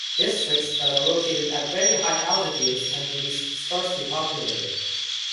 Districts that are located at very high altitudes tend to be scarcely populated.